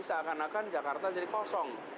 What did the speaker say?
seakan akan jakarta jadi kosong